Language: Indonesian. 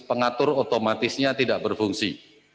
pengatur otomatisnya tidak berfungsi